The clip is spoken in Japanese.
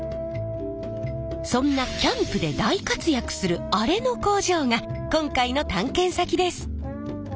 そんなキャンプで大活躍するあれの工場が今回の探検先です。